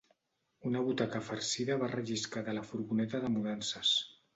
Una butaca farcida va relliscar de la furgoneta de mudances.